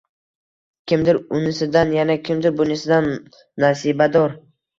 Kimdir unisidan, yana kimdir bunisidan nasibador.